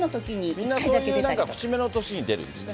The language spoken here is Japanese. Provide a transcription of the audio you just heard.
みんなそういう節目の年に出るんですね。